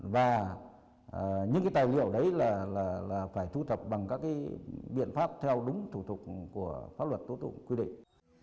và những cái tài liệu đấy là phải thu thập bằng các cái biện pháp theo đúng thủ tục của pháp luật thủ tục quy định